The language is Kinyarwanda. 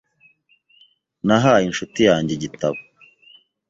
Nahaye inshuti yanjye igitabo .